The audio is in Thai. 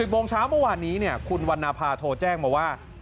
โมงเช้าเมื่อวานนี้คุณวันนภาโทรแจ้งมาว่า